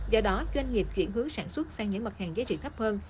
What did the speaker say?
do đó doanh nghiệp chuyển hướng sản xuất sang những mặt hàng giá trị thấp hơn